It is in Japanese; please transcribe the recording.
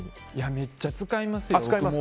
めっちゃ使います。